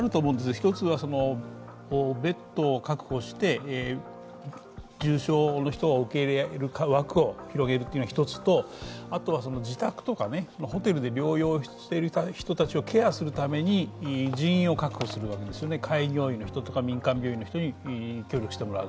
一つは、ベッドを確保して重症の人を受け入れる枠を広げるっていうのが一つとあとは自宅とかホテルで療養している人たちをケアするために人員を確保するわけですよね、開業医の人とか民間病院の人に協力してもらう。